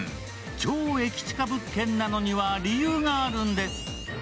超駅チカ物件なのには理由があるんです。